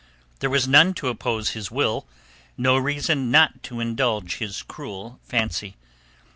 There was none to oppose his will, no reason not to indulge his cruel fancy.